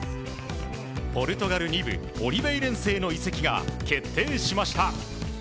ポルトガル２部オリヴェイレンセへの移籍が決定しました。